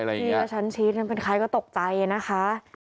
พี่ชันชีสเป็นใครก็ตกใจนะคะ